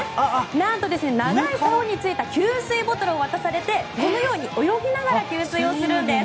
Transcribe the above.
なんと長いさおについた給水ボトルを渡されてこのように泳ぎながら給水をするんです。